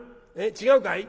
違うかい？」。